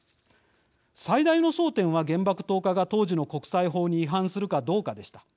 最大の争点は、原爆投下が当時の国際法に違反するかどうかでした。